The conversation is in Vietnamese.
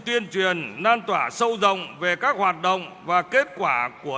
tuyên truyền lan tỏa sâu rộng về các hoạt động và kết quả của